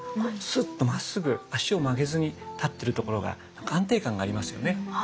スッとまっすぐ足を曲げずに立ってるところが安定感がありますよね。